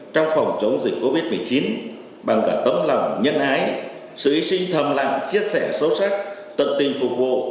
trong phòng chống dịch covid một mươi chín bằng cả tấm lòng nhân ái sự hy sinh thầm lặng chia sẻ sâu sắc tận tình phục vụ